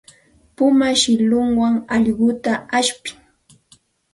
Puma shillunwan allquta ashpin.